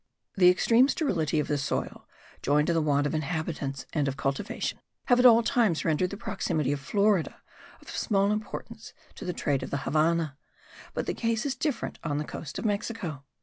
The extreme sterility of the soil, joined to the want of inhabitants and of cultivation, have at all times rendered the proximity of Florida of small importance to the trade of the Havannah; but the case is different on the coast of Mexico.